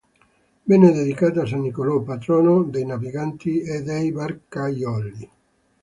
Venne dedicata a san Nicolò, patrono dei naviganti e dei barcaioli.